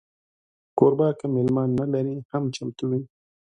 کوربه که میلمه نه لري، هم چمتو وي.